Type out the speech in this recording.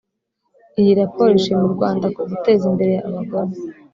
Iyi raporo ishima u Rwanda ku guteza imbere abagore